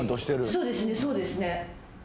そうですねそうですね。